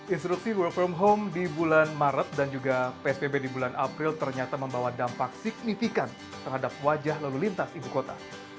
instruksi work from home di bulan maret dan juga psbb di bulan april ternyata membawa dampak signifikan terhadap wajah lalu lintas ibu kota